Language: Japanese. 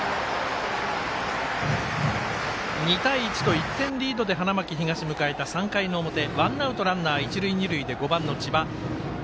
２対１と１点リードで花巻東が迎えた３回の表ワンアウト、ランナー、一塁二塁５番の千葉。